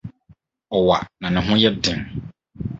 Ɔwa na ne ho yɛ den.